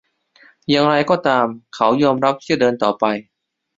อย่างไรก็ตาม เขายอมรับที่จะเดินต่อไป